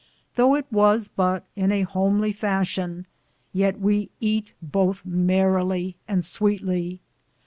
Thoughe it was but in a homly fashon, yeat we eat it bothe merrily and sweetly.